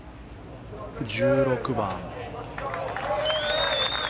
１６番。